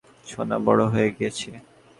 দেখে মনে হচ্ছে আমার এক পিচ্চি সোনা বড়ো হয়ে গিয়েছে।